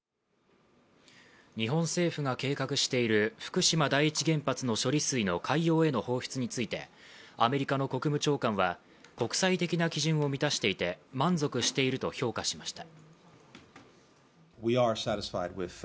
日本政府が計画している福島第一原発の海洋への放出についてアメリカの国務長官は、国際的な基準を満たしていて満足していると評価しました。